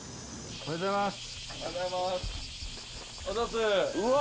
おはようございます。